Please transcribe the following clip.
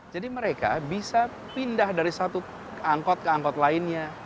jadi mereka bisa pindah dari satu angkot ke angkot lainnya